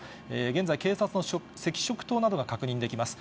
現在、警察の赤色灯などが確認できます。